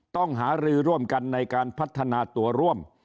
ต้องหารือร่วมกันในการพัฒนาตัวร่วม